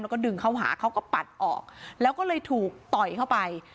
แล้วก็ดึงเข้าหาเขาก็ปัดออกแล้วก็เลยถูกต่อยเข้าไป